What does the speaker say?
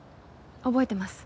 覚えてます。